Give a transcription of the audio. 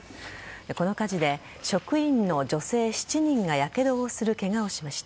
この火事で職員の女性７人がやけどをするケガをしました。